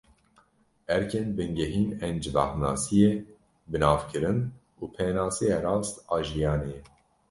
Erkên bingehîn ên civaknasiyê, binavkirin û pênaseya rast a jiyanê ye.